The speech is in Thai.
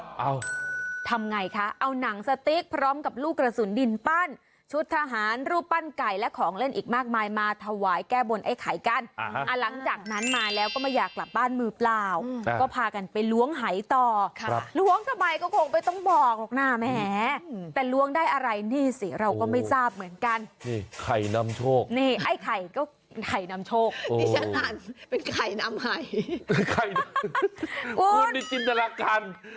เอาทำไงคะเอาหนังสติ๊กพร้อมกับลูกกระสุนดินปั้นชุดทหารรูปปั้นไก่และของเล่นอีกมากมายมาถวายแก้บนไอ้ไข่กันหลังจากนั้นมาแล้วก็ไม่อยากกลับบ้านมือเปล่าก็พากันไปล้วงหายต่อครับล้วงทำไมก็คงไม่ต้องบอกหรอกนะแหมแต่ล้วงได้อะไรนี่สิเราก็ไม่ทราบเหมือนกันนี่ไข่นำโชคนี่ไอ้ไข่ก็ไข่นำโชคดิฉันเป็นไข่นำหายจินตนาการ